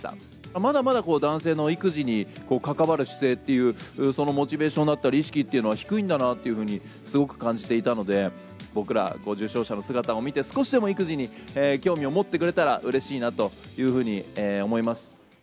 まだまだ男性の育児に関わる姿勢という、そのモチベーションだったり、意識というのは低いんだなというふうにすごく感じていたので、僕ら受賞者の姿を見て、少しでも育児に興味を持ってくれたらうれしいなというふうに思います。